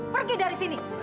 pergi dari sini